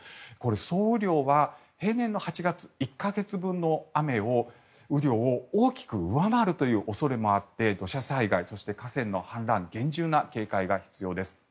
総雨量は平年の８月１か月分の雨量を大きく上回るという恐れもあって土砂災害、そして河川の氾濫厳重な警戒が必要です。